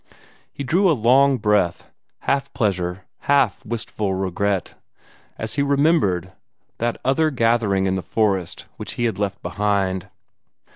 He drew a long breath half pleasure, half wistful regret as he remembered that other gathering in the forest which he had left behind.